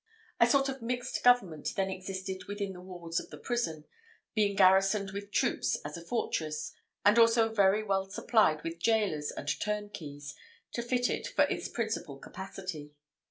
A sort of mixed government then existed within the walls of the prison, being garrisoned with troops as a fortress, and also very well supplied with gaolers and turnkeys, to fit it for its principal capacity.